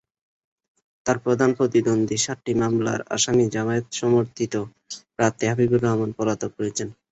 তাঁর প্রধান প্রতিদ্বন্দ্বী সাতটি মামলার আসামি জামায়াত-সমর্থিত প্রার্থী হাবিবুর রহমান পলাতক রয়েছেন।